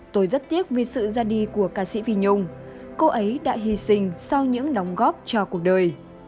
tôi rất tiếc vì sự ra đi của ca sĩ vi nhung cô ấy đã hy sinh sau những đóng góp cho cuộc đời